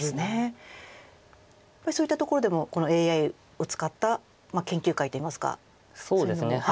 やっぱりそういったところでもＡＩを使った研究会といいますかそういうのも。